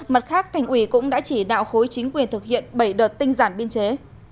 mặt khác thành ủy cũng đã chỉ đạo khối chính quyền thực hiện bảy đợt tinh giản biên chế